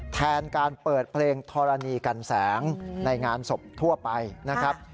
แทนการเปิดเพลงธรณีกันแสงในงานศพทั่วไปนะครับ